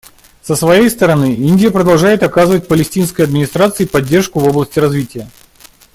Со своей стороны, Индия продолжает оказывать Палестинской администрации поддержку в области развития.